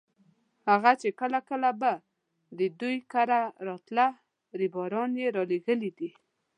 هغه چې کله کله به د دوی کره راته ريباران یې رالېږلي دي.